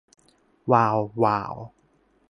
วาว วาว